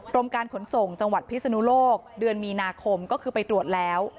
กรมการขนส่งจังหวัดพิศนุโลกเดือนมีนาคมก็คือไปตรวจแล้ว